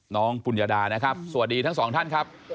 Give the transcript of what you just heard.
ปุญญาดานะครับสวัสดีทั้งสองท่านครับ